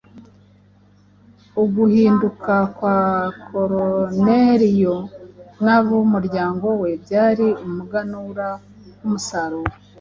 Uguhinduka kwa Koruneliyo n’ab’umuryango we byari umuganura w’umusaruro